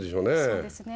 そうですね。